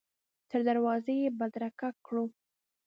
تر دروازې یې بدرګه کړو.